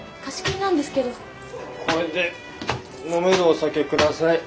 これで飲めるお酒下さい。